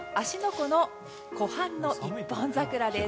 湖の湖畔の一本桜です。